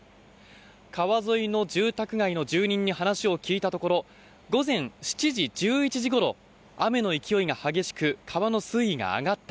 川沿いの住宅街の住人に話を聞いたところ午前７時１１分ごろ、雨が激しく水位が上がった。